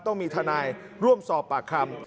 ต้องมีทนายร่วมสอบปากคำ